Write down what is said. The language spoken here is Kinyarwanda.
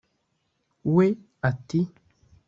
we ati